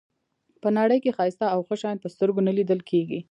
په نړۍ کې ښایسته او ښه شیان په سترګو نه لیدل کېږي.